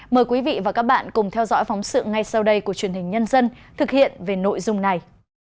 mời quý vị và các bạn cùng theo dõi phóng sự ngay sau đây của truyền hình nhân dân thực hiện về nội dung này